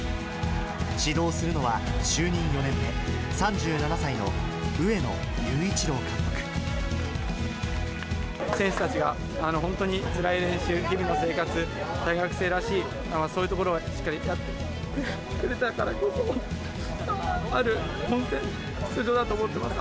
指導するのは就任４年目、選手たちが本当につらい練習、日々の生活、大学生らしい、そういうところをしっかりやってくれたからこそある本戦出場だと思っています。